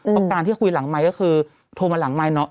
เพราะการที่คุยหลังไมค์ก็คือโทรมาหลังไมค์เนาะ